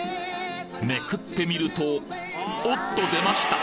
めくってみるとおっと出ました！